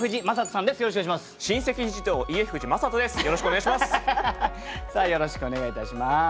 さあよろしくお願いいたします。